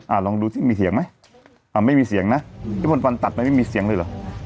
ลองดูสิมีเสียงไหมอ่าไม่มีเสียงนะพี่มนต์วันตัดไปไม่มีเสียงเลยเหรอ